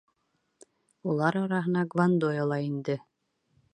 Улар араһына Гвандоя ла инде.